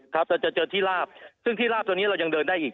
เราจะเจอที่ลาบซึ่งที่ลาบตัวนี้เรายังเดินได้อีก